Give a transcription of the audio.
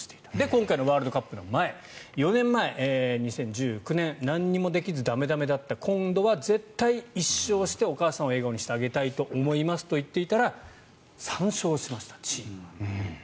今回のワールドカップの前４年前、２０１９年何もできず駄目駄目だった今度は絶対１勝してお母さんを笑顔にしてあげたいと思っていますと言っていたら３勝しました、チームが。